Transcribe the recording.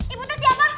ibu tuh siapa